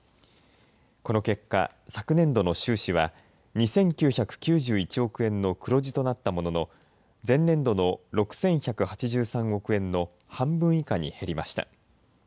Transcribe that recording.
この結果、昨年度の収支は２９９１億円の黒字となったものの前年度の６１８３億円の半分以下に減りました。